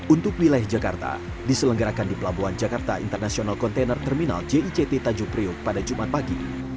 untuk wilayah jakarta diselenggarakan di pelabuhan jakarta international container terminal jict tanjung priok pada jumat pagi